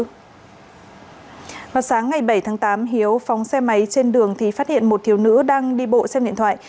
ngoài sáng ngày bảy tháng tám hiếu phóng xe máy trên đường thì phát hiện một thiếu nữ đang đi bộ xem điện thoại